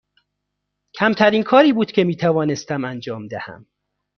کمترین کاری بود که می توانستم انجام دهم.